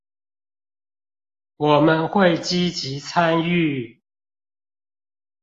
我們會積極參與